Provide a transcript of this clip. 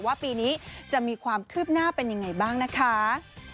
ว่าปีนี้จะมีความคืบหน้าเป็นยังไงบ้างนะคะ